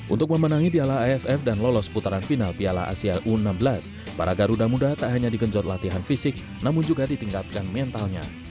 untuk memenangi piala aff dan lolos putaran final piala asia u enam belas para garuda muda tak hanya digenjot latihan fisik namun juga ditingkatkan mentalnya